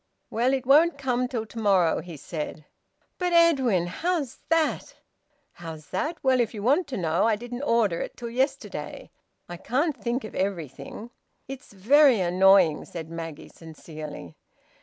"Well, it won't come till to morrow," he said. "But, Edwin, how's that?" "How's that? Well, if you want to know, I didn't order it till yesterday. I can't think of everything." "It's very annoying!" said Maggie sincerely.